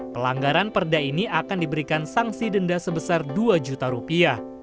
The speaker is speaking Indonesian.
pelanggaran perda ini akan diberikan sanksi denda sebesar dua juta rupiah